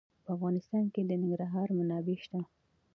په افغانستان کې د ننګرهار منابع شته.